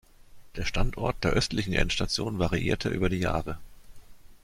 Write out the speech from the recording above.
Der Standort der östlichen Endstation variierte über die Jahre.